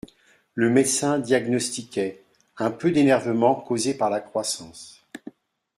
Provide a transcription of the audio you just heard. Le médecin diagnostiquait : un peu d'énervement causé par la croissance.